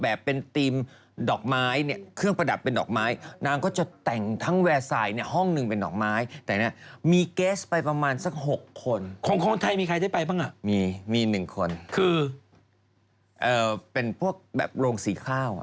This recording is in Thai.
เอ่อเป็นพวกแบบโรงสรีข้าวอ่ะ